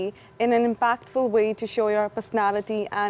dengan cara yang berpengaruh untuk menunjukkan personalitas anda